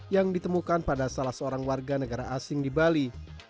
yang ditemukan pada salah seorang warga negara asing di bali